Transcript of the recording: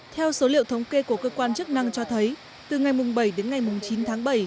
theo số liệu thống kê của cơ quan chức năng cho thấy từ ngày bảy đến ngày chín tháng bảy